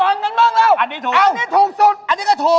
อันนี้ถูกสุด